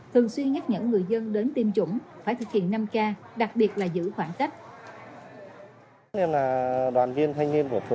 thường xuyên nhắc nhở người dân đến tiêm chủng phải thực hiện năm k đặc biệt là giữ khoảng cách